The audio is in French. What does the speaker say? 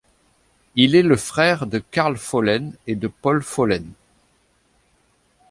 Il est le frère de Karl Follen et de Paul Follen.